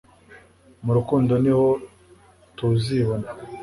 mu rukundo niho tuzibona